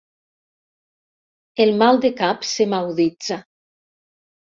El mal de cap se m'aguditza.